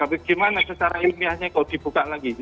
tapi gimana secara ilmiahnya kok dibuka lagi